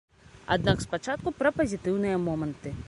Аднак спачатку пра пазітыўныя моманты.